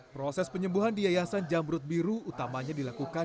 proses penyembuhan di yayasan jamrut biru utamanya dilakukan